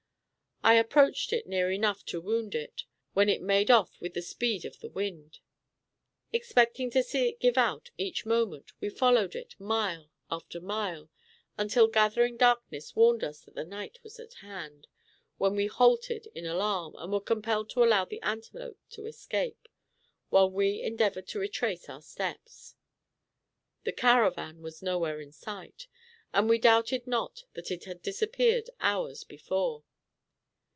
I approached it near enough to wound it, when it made off with the speed of the wind. Expecting to see it give out each moment, we followed it mile after mile, until gathering darkness warned us that night was at hand, when we halted in alarm, and were compelled to allow the antelope to escape, while we endeavored to retrace our steps. The caravan was nowhere in sight, and we doubted not that it had disappeared hours before.